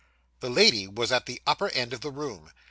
The lady was at the upper end of the room.